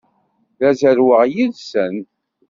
La zerrweɣ yid-sen.